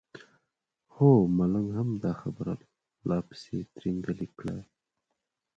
هو ملنګ هم دا خبره لا پسې ترینګلې کړه.